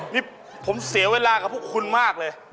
นี่ผมเสียเวลากับพวกคุณมากเลย